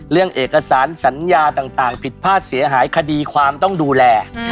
เรื่องเอกสารสัญญาต่างผิดพลาดเสียหายคดีความต้องดูแล